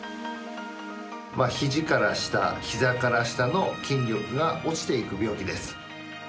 ひじから下、ひざから下の筋力が落ちていく病気です。